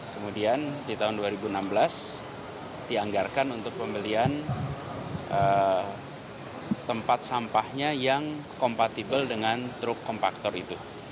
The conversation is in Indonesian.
kemudian di tahun dua ribu enam belas dianggarkan untuk pembelian tempat sampahnya yang kompatibel dengan truk kompaktor itu